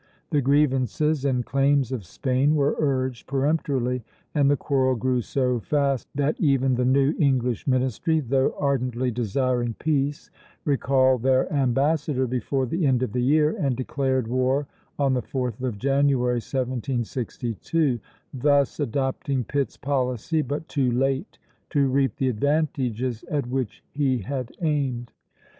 The grievences and claims of Spain were urged peremptorily, and the quarrel grew so fast that even the new English ministry, though ardently desiring peace, recalled their ambassador before the end of the year, and declared war on the 4th of January, 1762; thus adopting Pitt's policy, but too late to reap the advantages at which he had aimed.